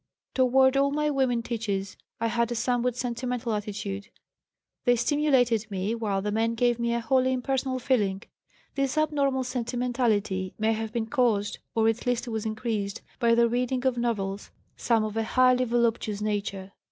Toward all my women teachers I had a somewhat sentimental attitude. They stimulated me, while the men gave me a wholly impersonal feeling. This abnormal sentimentality may have been caused, or at least was increased, by the reading of novels, some of a highly voluptuous nature.